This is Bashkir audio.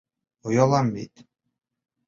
Оялам бит!